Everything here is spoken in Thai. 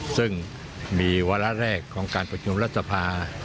ซึ่งมีวาระแรกของการประชุมรัฐสภา